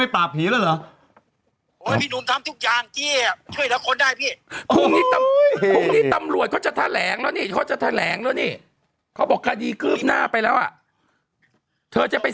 ไปสารแนกกับเขาไหม